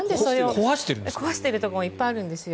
壊しているところもいっぱいあるんですよ。